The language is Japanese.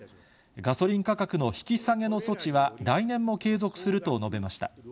ガソリン価格の引き下げの措置は、来年も継続すると述べました。